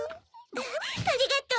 ありがとう。